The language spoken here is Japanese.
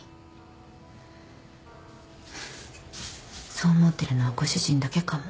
そう思ってるのはご主人だけかも。